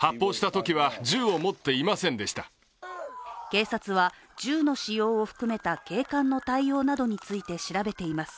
警察は銃の使用を含めた警官の対応などについて調べています。